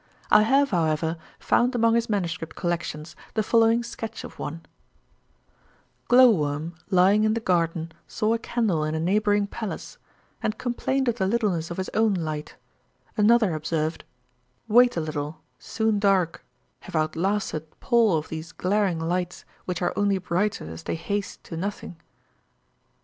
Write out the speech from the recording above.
I have, however, found among his manuscript collections the following sketch of one: 'Glow worm lying in the garden saw a candle in a neighbouring palace, and complained of the littleness of his own light; another observed wait a little; soon dark, have outlasted [Greek: poll] [many] of these glaring lights which are only brighter as they haste to nothing.'